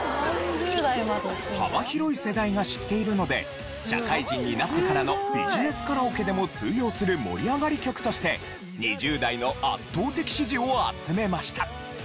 幅広い世代が知っているので社会人になってからのビジネスカラオケでも通用する盛り上がり曲として２０代の圧倒的支持を集めました。